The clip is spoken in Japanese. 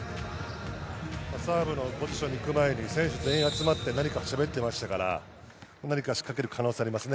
サーブのポジションに行く前に選手が全員集まって何かをしゃべっていましたから何か仕掛ける可能性がありますね。